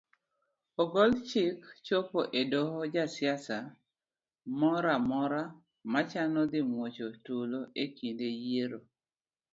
Ogol chik chopo e doho jasiasa moramora machano dhi muocho tulo e kinde yiero